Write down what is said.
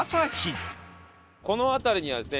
この辺りにはですね